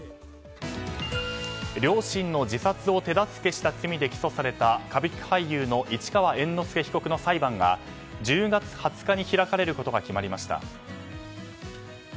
両親の自殺を手助けした罪で起訴された歌舞伎俳優の市川猿之助被告の裁判が１０月２０日に開かれることが決まりました。